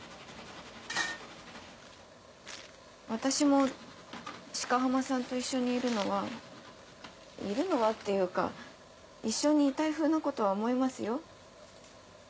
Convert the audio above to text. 私も鹿浜さんと一緒にいるのはいるのはっていうか一緒にいたいふうなことは思いますよ。